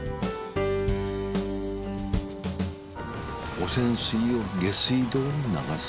汚染水を下水道に流す。